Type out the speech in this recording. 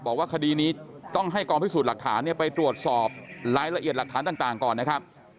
บอกว่าคดีนี้ต้องให้กองพิสูจน์หลักฐานไปตรวจสอบรายละเอียดหลักฐานต่างก่อนนะครับ